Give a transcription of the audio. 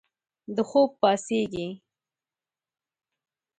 د خوب پاڅیږې